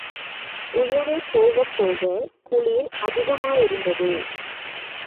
உயரே போகப் போகக் குளிர் அதிகமாயிருந்தது.